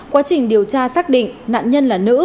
quá trình điều tra xác định nạn nhân là nữ